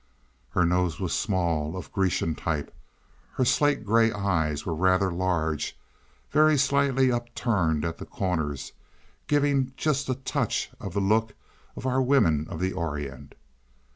Her nose was small, of Grecian type. Her slate gray eyes were rather large, very slightly upturned at the corners, giving just a touch of the look of our women of the Orient.